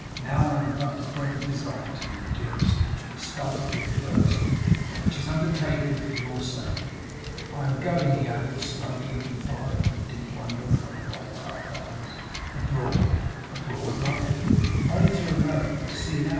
Now, I am about to break a design to you, dearest, which will startle you at first, but which is undertaken for your sake. I am going,' he added slowly, looking far into the deep wonder of her bright dark eyes, 'abroad.' 'Abroad, Martin!' 'Only to America. See now.